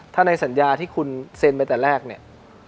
ถ้าในสัญญาที่คุณเซ็นไปแต่แรกเนี่ย